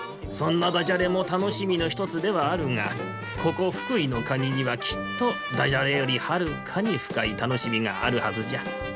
そんなダジャレもたのしみのひとつではあるがここ福井のカニにはきっとダジャレよりはるかにふかいたのしみがあるはずじゃ。